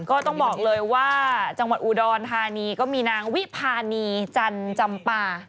ก็ต้องบอกเลยว่าจังหวัดอุดรธานีก็มีนางวิพานีจันจำปา